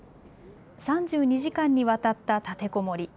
３２時間にわたった立てこもり。